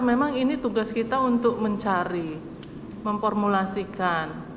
memang ini tugas kita untuk mencari memformulasikan